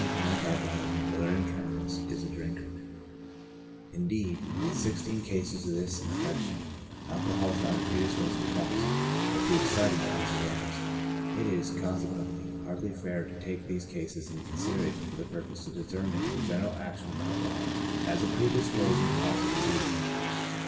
1 57 chronic alcoholism, or delirium tremens, is a drinker ; indeed, in the 16 cases of this affection, alcohol is not a predispos ing cause, but the exciting cause of the illness ; it is, con sequently, hardly fair to take these cases into consideration for the purpose of determining the general action of alco hol as a predisposing cause of disease.